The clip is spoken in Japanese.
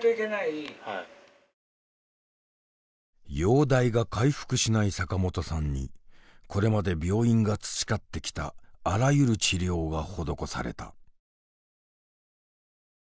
容体が回復しない坂本さんにこれまで病院が培ってきたあらゆる治療が施された。